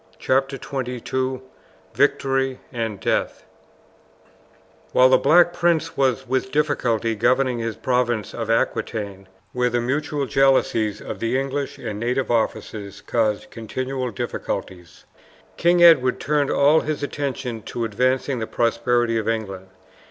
CHAPTER XXII: VICTORY AND DEATH While the Black Prince was with difficulty governing his province of Aquitaine, where the mutual jealousies of the English and native officers caused continual difficulties, King Edward turned all his attention to advancing the prosperity of England.